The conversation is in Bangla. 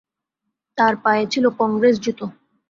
তাঁহার পায়ে ছিল কংগ্রেস জুতা।